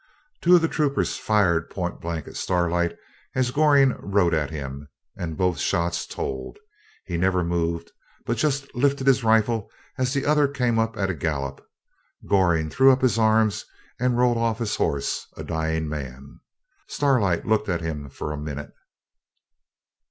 Two of the other troopers fired point blank at Starlight as Goring rode at him, and both shots told. He never moved, but just lifted his rifle as the other came up at the gallop. Goring threw up his arms, and rolled off his horse a dying man. Starlight looked at him for a minute.